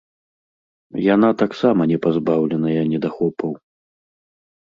Яна таксама не пазбаўленая недахопаў.